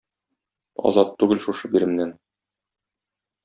Азат түгел шушы биремнән.